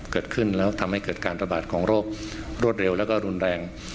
เกิดขึ้นแล้วทำให้เกิดการระบาดของโรครวดเร็วแล้วก็รุนแรง